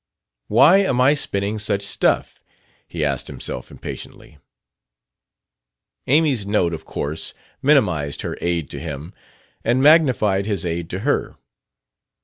"Why am I spinning such stuff?" he asked himself impatiently. Amy's note of course minimized her aid to him and magnified his aid to her.